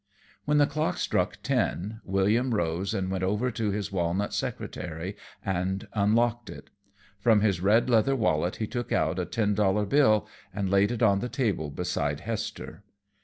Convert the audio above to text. When the clock struck ten, William rose and went over to his walnut secretary and unlocked it. From his red leather wallet he took out a ten dollar bill and laid it on the table beside Hester.